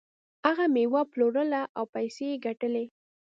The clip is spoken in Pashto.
هغه میوه پلورله او پیسې یې ګټلې.